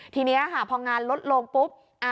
ทีนี้พองานลดโลกปุ๊บ